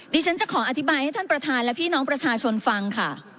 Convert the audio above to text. ดิฉันจะขออธิบายให้ท่านประธานและพี่น้องประชาชนฟังค่ะ